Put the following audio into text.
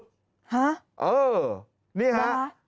ฮะมาเออนี่ครับ